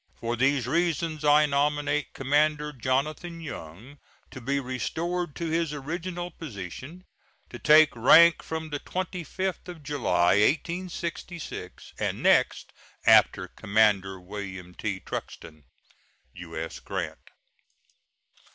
For these reasons I nominate Commander Jonathan Young to be restored to his original position, to take rank from the 25th July, 1866, and next after Commander William T. Truxtun. U.S. GRANT.